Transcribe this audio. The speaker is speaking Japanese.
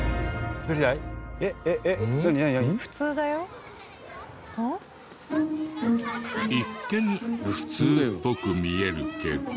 一見普通っぽく見えるけど。